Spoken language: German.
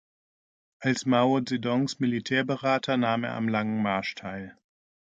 Als Mao Zedongs Militärberater nahm er am Langen Marsch teil.